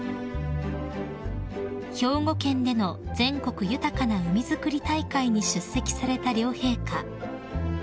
［兵庫県での全国豊かな海づくり大会に出席された両陛下］